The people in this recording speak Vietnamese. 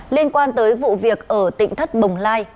liên quan tới vụ việc ở tỉnh thất bồng lai